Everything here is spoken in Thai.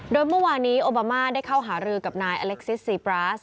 โดยเมื่อวานี้โอบามาได้เข้าหารือกับนายอเล็กซิสซีปราส